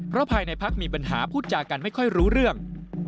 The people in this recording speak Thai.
เพราะภายในพักมีปัญหาพูดจากันไม่ค่อยรู้เรื่อง